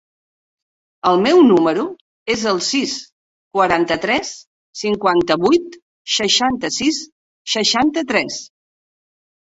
El meu número es el sis, quaranta-tres, cinquanta-vuit, seixanta-sis, seixanta-tres.